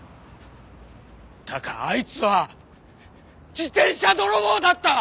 だがあいつは自転車泥棒だった！